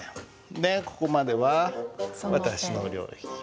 でここまでは私の領域。